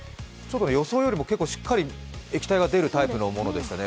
予想よりも、しっかり液体が出るタイプのものでしたね。